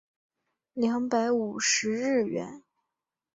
两百五十日圆